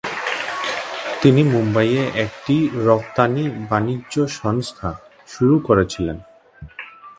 তিনি মুম্বাইয়ে একটি রফতানি বাণিজ্য সংস্থা শুরু করেছিলেন।